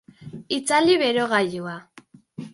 Itzali berogailua